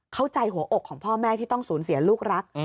เข้าใจหัวอกของพ่อแม่ที่ต้องสูญเสียลูกรัก